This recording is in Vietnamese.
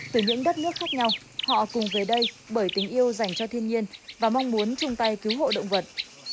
từ những đất nước khác nhau họ cùng về đây bởi tình yêu dành cho thiên nhiên và mong muốn chung tay cứu hộ động vật